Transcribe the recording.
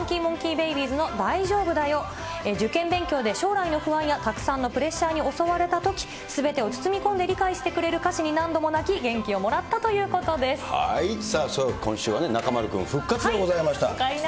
ＦＵＮＫＹＭＯＮＫＥＹＢΛＢＹ’Ｓの大丈夫だよ、受験勉強で将来の不安やたくさんのプレッシャーに襲われたとき、すべてを包み込んで理解してくれる歌詞に何度も泣き、元気をもらさあ、そういうことで、今週は中丸君復活でございました。